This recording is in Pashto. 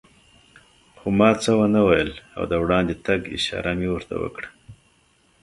خو ما څه و نه ویل او د وړاندې تګ اشاره مې ورته وکړه.